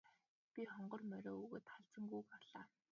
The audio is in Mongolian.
Би хонгор морио өгөөд халзан гүүг авлаа.